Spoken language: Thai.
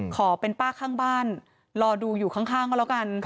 ขอเป็นป้าข้างบ้านรอดูอยู่ข้างก็แล้วกัน